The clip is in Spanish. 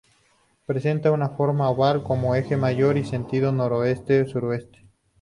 Presenta una forma oval con el eje mayor en sentido noroeste-sudeste.